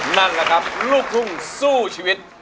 นั่นแหละครับลูกทุ่งสู้ชีวิต